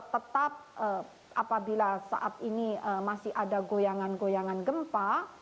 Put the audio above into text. tetap apabila saat ini masih ada goyangan goyangan gempa